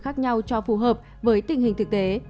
khác nhau cho phù hợp với tình hình thực tế